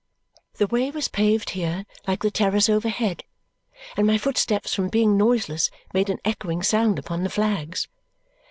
The way was paved here, like the terrace overhead, and my footsteps from being noiseless made an echoing sound upon the flags.